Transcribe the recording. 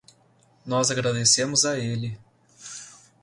Nós agradecemos a ele